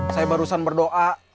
saya barusan berdoa